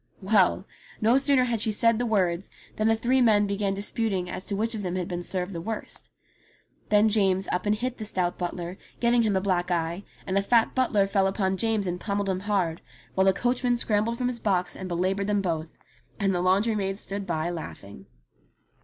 Well ! no sooner had she said the words than the three men began disputing as to which of them had been served THE THREE FEATHERS 71 the worst ; then James up and hit the stout butler, giving him a black eye, and the fat butler fell upon James and pommelled him hard, while the coachman scrambled from his box and belaboured them both, and the laundry maid stood by laughing.